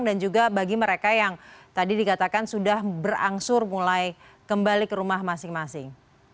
dan juga bagi mereka yang tadi dikatakan sudah berangsur mulai kembali ke rumah masing masing